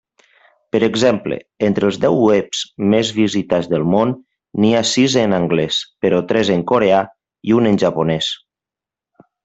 Per exemple: entre els deu webs més visitats del món n'hi ha sis en anglès, però tres en coreà i un en japonès.